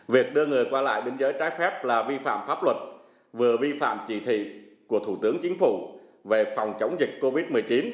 việc đưa người qua lại biên giới trái phép là vi phạm pháp luật vừa vi phạm chỉ thị của thủ tướng chính phủ về phòng chống dịch covid một mươi chín